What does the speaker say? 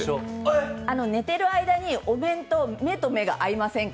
寝ている間にお面と目と目が合いませんか？